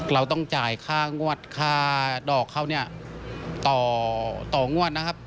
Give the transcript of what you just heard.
เราต้องจ่ายค่างวดค่าดอกเขาเนี่ยต่องวดนะครับ